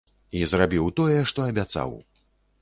І зрабіў тое, што абяцаў.